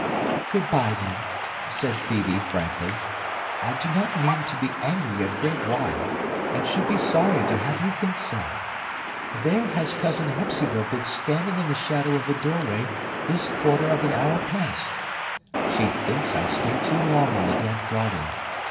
"Good by, then," said Phœbe frankly. "I do not mean to be angry a great while, and should be sorry to have you think so. There has Cousin Hepzibah been standing in the shadow of the doorway, this quarter of an hour past! She thinks I stay too long in the damp garden.